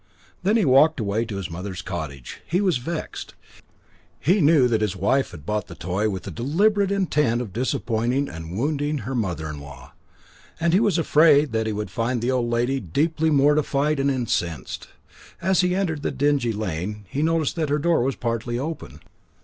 Then he walked away to his mother's cottage. He was vexed. He knew that his wife had bought the toy with the deliberate intent of disappointing and wounding her mother in law; and he was afraid that he would find the old lady deeply mortified and incensed. As he entered the dingy lane, he noticed that her door was partly open.